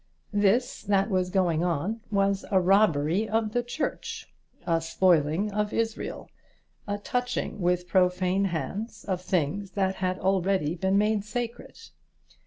This that was going on was a robbery of the Church, a spoiling of Israel, a touching with profane hands of things that had already been made sacred.